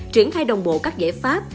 triển khai đồng bộ các giải pháp